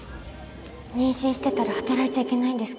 妊娠してたら働いちゃいけないんですか？